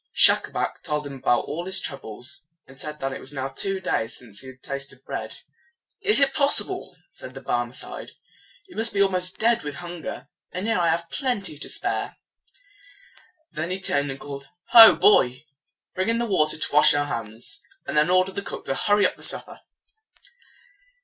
Schacabac told him about all his troubles, and said that it was now two days since he had tasted bread. "Is it possible?" said the Barmecide. "You must be almost dead with hunger; and here I have plenty and to spare!" Then he turned and called, "Ho, boy! Bring in the water to wash our hands, and then order the cook to hurry the supper."